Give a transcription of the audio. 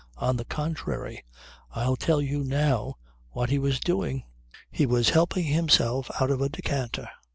On the contrary. I'll tell you now what he was doing. He was helping himself out of a decanter.